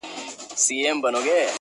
همېشه به د مالِک ترشا روان ؤ-